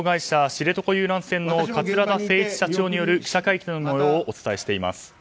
知床遊覧船の桂田精一社長による記者会見の模様をお伝えしています。